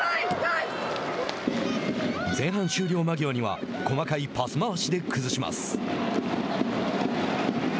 前半終了間際には細かいパス回しで崩します。